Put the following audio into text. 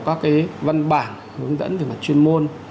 các văn bản hướng dẫn về mặt chuyên môn